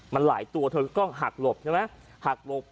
มันหลายตัวเธอก็ต้องหักหลบใช่ไหมหักหลบ